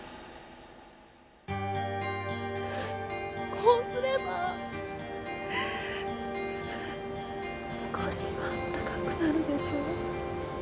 こうすれば少しは温かくなるでしょう？